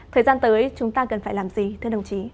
thời gian tới chúng ta cần phải làm gì thưa đồng chí